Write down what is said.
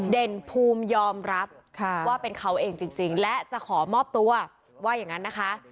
เด่นภูมิยอมรับว่าเป็นเขาเองจริงและจะขอมอบตัวว่าอย่างนั้นนะคะ